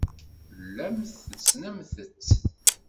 Tellamt tessnemt-tt.